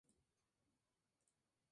Forma aguda.